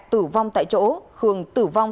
tử vong tại chỗ khường tử vong